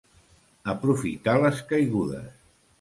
Aprofitar les caigudes.